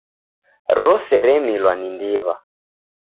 Rose remilwa ni ndiw'a.